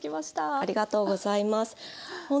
ありがとうございます。